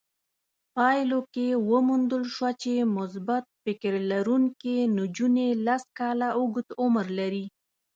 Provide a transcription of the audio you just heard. پايلو کې وموندل شوه چې مثبت فکر لرونکې نجونې لس کاله اوږد عمر لري.